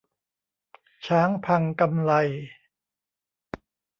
'ช้างพังกำไล'